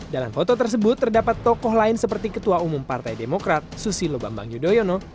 dalam foto tersebut terdapat tokoh lain seperti ketua umum partai demokrat susilo bambang yudhoyono